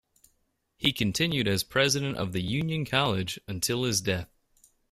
He continued as president of Union College until his death.